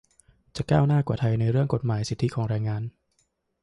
จะก้าวหน้ากว่าไทยในเรื่องกฎหมายสิทธิของแรงงาน